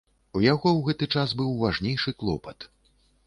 У яго ў гэты час быў важнейшы клопат.